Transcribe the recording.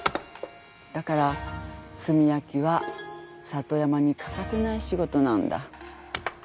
だから炭焼きは里山に欠かせない仕事なんだ。